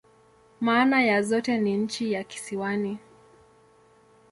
Maana ya zote ni "nchi ya kisiwani.